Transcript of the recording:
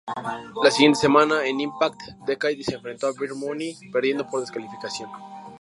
La siguiente semana en Impact, Decay se enfrentó a Beer Money perdiendo por descalificación.